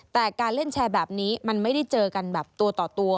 แต่การเล่นแชร์แบบนี้มันไม่ได้เจอกันแบบตัวต่อตัว